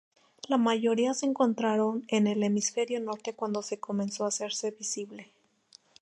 La mayoría se encontraron en el hemisferio norte cuando comenzó a hacerse visible.